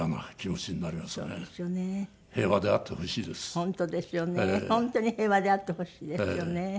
本当に平和であってほしいですよね。